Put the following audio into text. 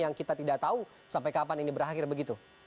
yang kita tidak tahu sampai kapan ini berakhir begitu